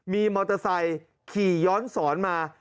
มีมอเตอร์ไซค์ขี่ย้อนสอนมา